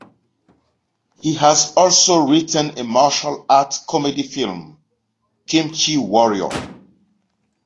He has also written a martial art comedy film, "Kimchi Warrior".